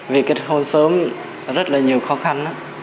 vì kết hôn sớm rất là nhiều khó khăn